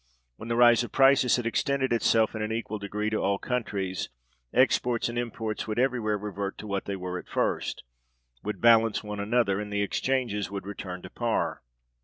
When the rise of prices had extended itself in an equal degree to all countries, exports and imports would everywhere revert to what they were at first, would balance one another, and the exchanges would return to par.